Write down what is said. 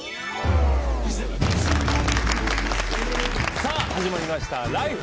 さあ始まりました「ＬＩＦＥ！春」。